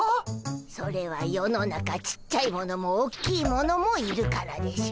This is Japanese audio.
それは世の中ちっちゃいものもおっきいものもいるからでしゅ。